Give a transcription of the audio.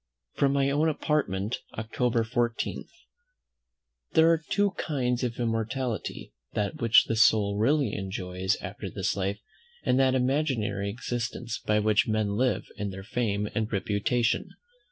From my own Apartment, October 14. There are two kinds of immortality, that which the soul really enjoys after this life, and that imaginary existence by which men live in their fame and reputation.